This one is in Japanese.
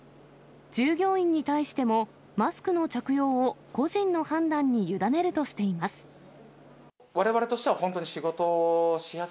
従業員に対しても、マスクの着用を個人の判断に委ねるとしています。